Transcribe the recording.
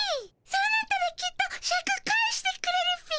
そうなったらきっとシャク返してくれるっピ。